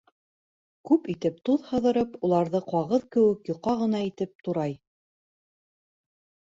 Күп итеп туҙ һыҙырып, уларҙы ҡағыҙ кеүек йоҡа ғына итеп турай.